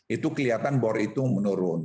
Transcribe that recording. itu kelihatan bor itu menurun